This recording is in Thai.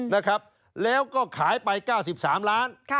นะครับแล้วก็ขายไป๙๓ล้าน